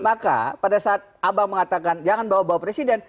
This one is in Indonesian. maka pada saat abang mengatakan jangan bawa bawa presiden